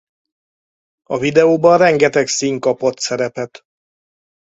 A videóban rengeteg szín kapott szerepet.